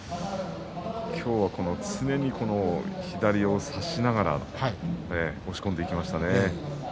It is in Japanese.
今日は常に左を差しながら押し込んでいきましたね。